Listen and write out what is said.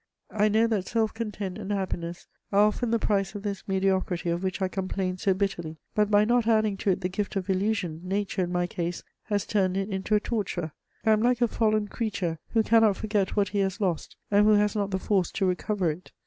I know that self content and happiness are often the price of this mediocrity of which I complain so bitterly; but by not adding to it the gift of illusion, nature, in my case, has turned it into a torture. I am like a fallen creature who cannot forget what he has lost, and who has not the force to recover it.